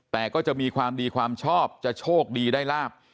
แต่ก็จะมีความดีความชอบจะโชคดีได้ลาบ